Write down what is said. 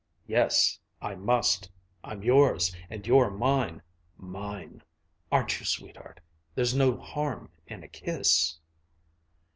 "Yes, I must; I'm yours, and you're mine, mine. Aren't you, sweetheart? There's no harm in a kiss."